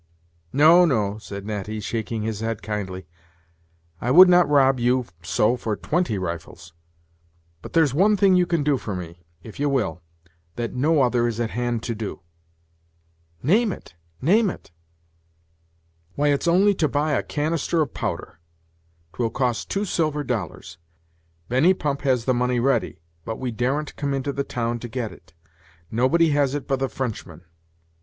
"No, no," said Natty, shaking his head kindly; "I would not rob you so for twenty rifles. But there's one thing you can do for me, if ye will, that no other is at hand to do. "Name it name it." "Why, it's only to buy a canister of powder 'twill cost two silver dollars. Benny Pump has the money ready, but we daren't come into the town to get it. Nobody has it but the Frenchman.